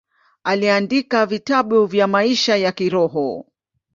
Aliandika vitabu vya maisha ya kiroho.